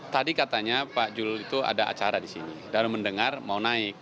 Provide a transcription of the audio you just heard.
tadi katanya pak jul itu ada acara di sini dan mendengar mau naik